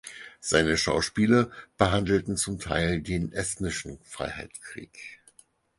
Seine Schauspiele behandelten zum Teil den Estnischen Freiheitskrieg.